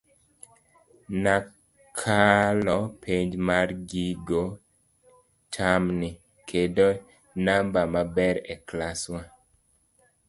Nakalo penj mar gigo tam ni, kendo namba maber e klas wa.